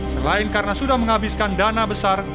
selain karena sudah menghabiskan dana besar